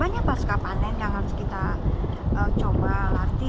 hanya pasca panen yang harus kita coba latih